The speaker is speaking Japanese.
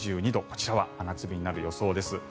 こちらは真夏日になる予想です。